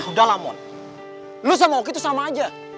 udah lah mon lo sama oki tuh sama aja